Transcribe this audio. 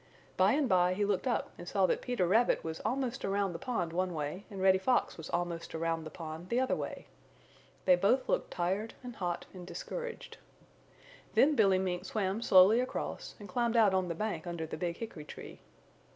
By and by he looked up and saw that Peter Rabbit was almost around the pond one way and Reddy Fox was almost around the pond the other way. They both looked tired and hot and discouraged. Then Billy Mink swam slowly across and climbed out on the bank under the big hickory tree.